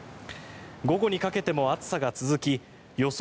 午後にかけても暑さが続き予想